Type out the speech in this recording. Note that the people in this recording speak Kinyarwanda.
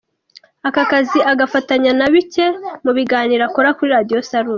Aka kazi agafatanya na bike mu biganiro akora kuri Radio Salus.